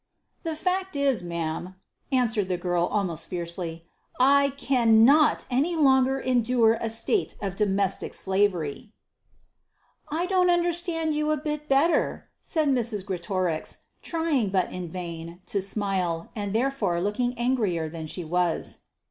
"The fact is, ma'am," answered the girl, almost fiercely, "I cannot any longer endure a state of domestic slavery." "I don't understand you a bit better," said Mrs. Greatorex, trying, but in vain, to smile, and therefore looking angrier than she was.